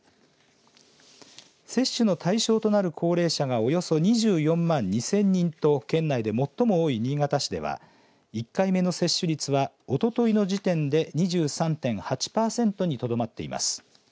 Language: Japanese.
接種の対象となる高齢者がおよそ２４万２０００人と県内で最も多い新潟市では１回目の接種率はおとといの時点で２３．８パーセントにとどまっています。